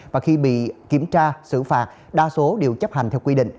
và khi bị kiểm tra xử phạt đa số đều chấp hành theo quy định